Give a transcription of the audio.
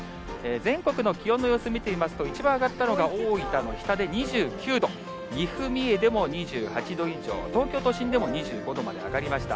全国の気温の様子、見てみますと、一番上がったのが大分の日田で２９度、岐阜、三重でも２８度以上、東京都心でも２５度まで上がりました。